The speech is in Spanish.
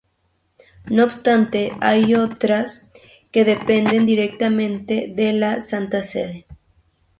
No obstante hay otras que dependen directamente de la Santa Sede.